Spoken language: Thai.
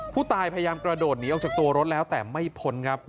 ผู้ตายพยายามกระโดดหนีออกจากตัวรถแล้วแต่ไม่พ้นครับ